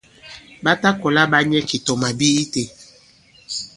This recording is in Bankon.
Ɓa ta kɔla ɓa nyɛ ki tɔ màbi itē.